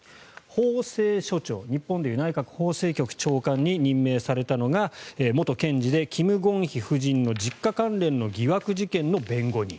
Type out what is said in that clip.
法制処長日本で言うと内閣法制局長官に任命されたのが元検事でキム・ゴンヒ氏の実家関連の疑惑事件の弁護人。